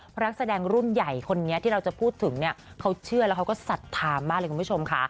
เพราะนักแสดงรุ่นใหญ่คนนี้ที่เราจะพูดถึงเนี่ยเขาเชื่อแล้วเขาก็ศรัทธามากเลยคุณผู้ชมค่ะ